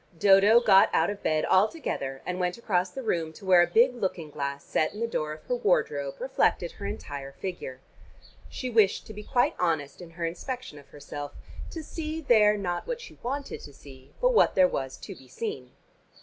Dodo got out of bed altogether; and went across the room to where a big looking glass set in the door of her wardrobe reflected her entire figure. She wished to be quite honest in her inspection of herself, to see there not what she wanted to see but what there was to be seen.